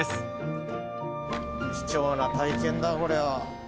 貴重な体験だこれは。